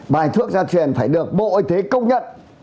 bài thuốc gia truyền phải được bộ y tế công nhận